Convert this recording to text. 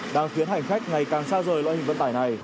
đang khiến hành khách ngày càng xa rời loại hình vận tải này